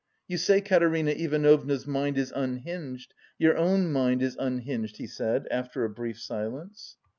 "You say Katerina Ivanovna's mind is unhinged; your own mind is unhinged," he said after a brief silence.